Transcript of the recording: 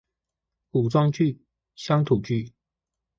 古裝劇，鄉土劇